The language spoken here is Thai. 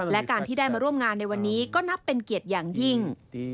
และการที่ได้มาร่วมงานในวันนี้ก็นับเป็นเกียรติอย่างยิ่ง